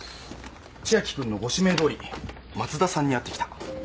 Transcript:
千秋君のご指名どおり松田さんに会ってきた。